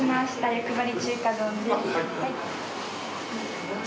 よくばり中華丼です。